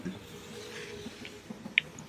আমি এখানেই আছি।